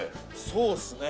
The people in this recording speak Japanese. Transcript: そうっすね。